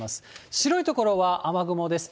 白い所は雨雲です。